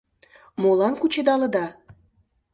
Молан кучедалыда?